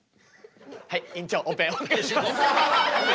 はい院長オペお願いします。